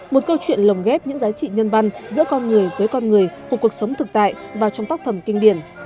một câu chuyện lồng ghép những giá trị nhân văn giữa con người với con người của cuộc sống thực tại và trong tác phẩm kinh điển